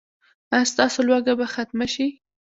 ایا ستاسو لوږه به ختمه شي؟